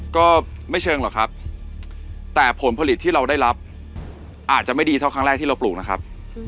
ก็ไม่เชิงหรอกครับแต่ผลผลิตที่เราได้รับอาจจะไม่ดีเท่าครั้งแรกที่เราปลูกนะครับ